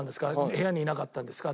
部屋にいなかったんですか？